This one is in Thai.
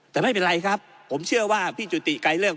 แต่ไม่เป็นไรครับผมเชื่อว่าพี่จุติไกลเลิก